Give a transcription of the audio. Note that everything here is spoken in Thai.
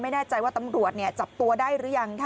ไม่แน่ใจว่าตำรวจจับตัวได้หรือยังค่ะ